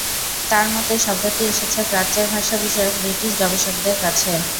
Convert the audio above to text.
তার মতে শব্দটি এসেছে প্রাচ্যের ভাষা বিষয়ক ব্রিটিশ গবেষকদের থেকে।